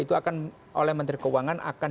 itu akan oleh menteri keuangan akan